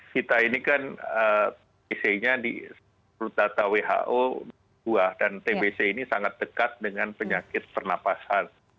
kita ini kan tbc nya di data who dua dan tbc ini sangat dekat dengan penyakit pernapasan